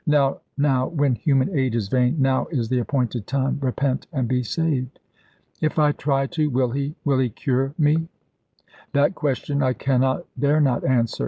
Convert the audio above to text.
Now now, when human aid is vain, now is the appointed time. Repent and be saved!" "If I try to, will He will He cure met" "That question I cannot, dare not answer.